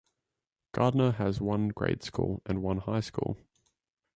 Gardner has one grade school and one high school.